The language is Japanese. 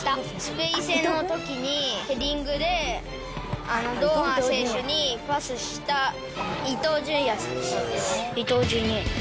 スペイン戦のときに、ヘディングで堂安選手にパスした、伊東純也選手です。